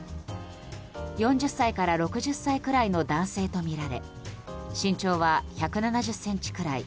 ４０歳から６０歳くらいの男性とみられ身長は１７０ｃｍくらい。